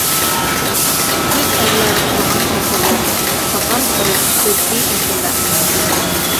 تۈكلۈك ئەرلەر قۇرغان قەسىرلەر، ساقال قىرىپ ئۆتتى ئەسىرلەر.